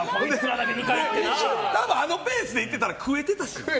あのペースでいってたら食えてたし。